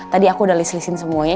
tadi aku udah list lisin semuanya